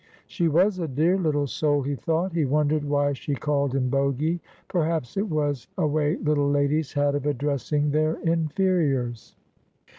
She was a dear little soul, he thought. He wondered why she called him Bogy. Perhaps it was a way little ladies had of addressing their inferiors.